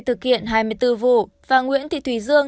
thực hiện hai mươi bốn vụ và nguyễn thị thùy dương